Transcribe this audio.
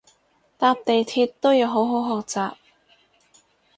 搭地鐵都要好好學習